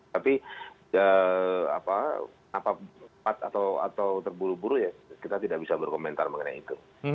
tapi apa atau terburu buru ya kita tidak bisa berkomentar mengenai itu